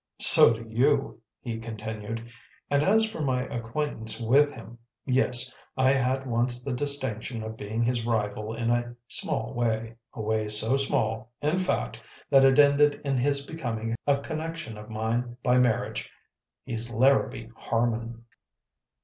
"So do you," he continued; "and as for my acquaintance with him yes, I had once the distinction of being his rival in a small way, a way so small, in fact, that it ended in his becoming a connection of mine by marriage. He's Larrabee Harman."